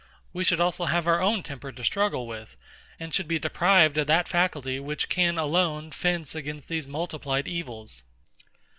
we should also have our own temper to struggle with, and should be deprived of that faculty which can alone fence against these multiplied evils.